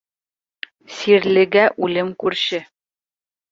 Сирлегә үлем күрше.